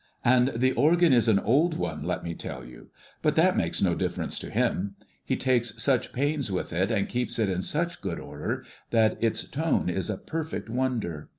"And the organ is an old one, let me tell you; but that makes no difference to him. He takes such pains with it and keeps it in such good order that its tone is a perfect wonder.